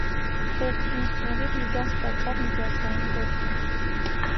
Վերջինիս շնորհիվ լիգան ստացավ միջազգային կոչում։